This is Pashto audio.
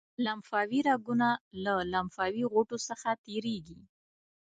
لمفاوي رګونه له لمفاوي غوټو څخه تیریږي.